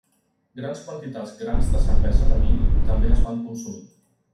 Grans quantitats grans de cervesa de mill també es van consumir.